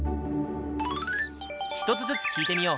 １つずつ聴いてみよう。